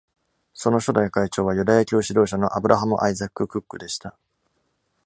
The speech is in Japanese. その初代会長はユダヤ教指導者のアブラハム・アイザック・クックでした。